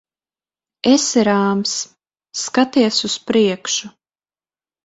Esi rāms. Skaties uz priekšu.